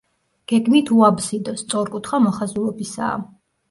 გეგმით უაბსიდო, სწორკუთხა მოხაზულობისაა.